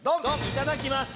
いただきます！